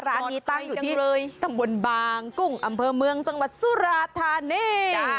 ร้านนี้ตั้งอยู่ที่ตำบลบางกุ้งอำเภอเมืองจังหวัดสุราธานี